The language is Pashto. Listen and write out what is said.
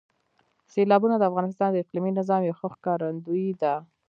سیلابونه د افغانستان د اقلیمي نظام یو ښه ښکارندوی ده.